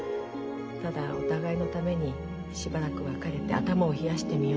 ただお互いのためにしばらく別れて頭を冷やしてみようってことなの。